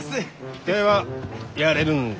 ではやれるんだな？